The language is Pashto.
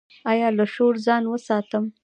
ایا له شور ځان وساتم؟